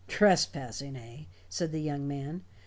"Trespassing, eh?" said the young man.